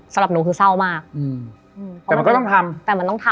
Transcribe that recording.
สำหรับหนูคือเศร้ามากอืมอ๋อมันก็ต้องทำแต่มันต้องทำ